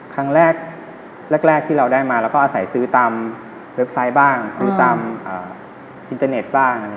ครั้งแรกแรกที่เราได้มาเราก็อาศัยซื้อตามเว็บไซต์บ้างซื้อตามอินเทอร์เน็ตบ้าง